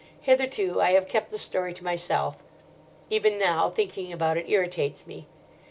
Hitherto I have kept the story to myself. Even now, thinking about it irritates me.